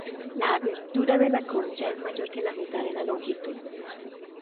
La abertura de la concha es mayor que la mitad de la longitud.